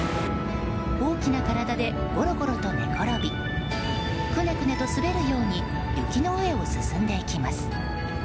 大きな体でゴロゴロと寝転びくねくねと滑るように雪の上を進んでいきます。